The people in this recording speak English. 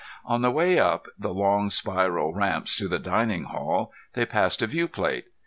On the way up the long spiral ramps to the dining hall, they passed a viewplate.